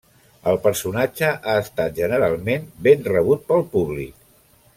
El personatge ha estat generalment ben rebut pel públic.